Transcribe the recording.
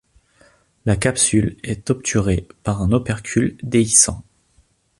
La capsule est obturée par un opercule déhiscent.